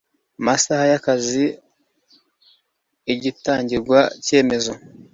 masaha y akazi igatangirwa icyemezo